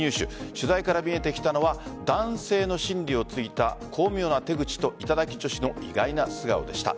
取材から見えてきたのは男性の心理をついた巧妙な手口と頂き女子の意外な素顔でした。